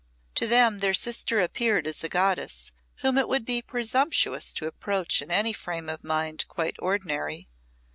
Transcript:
To them their sister appeared a goddess whom it would be presumptuous to approach in any frame of mind quite ordinary.